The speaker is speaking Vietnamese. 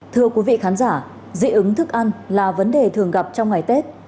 thưa quý vị khán giả dị ứng thức ăn là vấn đề thường gặp trong ngày tết